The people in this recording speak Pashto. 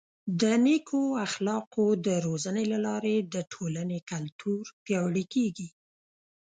د نیکو اخلاقو د روزنې له لارې د ټولنې کلتور پیاوړی کیږي.